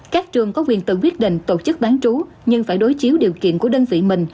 các trường có quyền tự quyết định tổ chức bán trú nhưng phải đối chiếu điều kiện của đơn vị mình